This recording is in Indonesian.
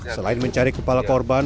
selain mencari kepala korban